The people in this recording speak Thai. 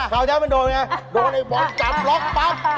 เวลาจะโดนไงโดนไอ้บอลจ่ำรกปั๊บ